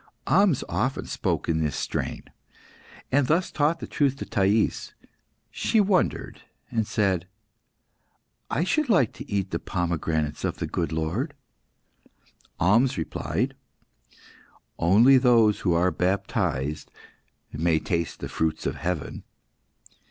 Ahmes often spoke in this strain, and thus taught the truth to Thais. She wondered, and said "I should like to eat the pomegranates of the good Lord." Ahmes replied "Only those who are baptised may taste the fruits of heaven."